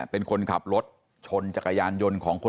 สองคนก็โดนยิง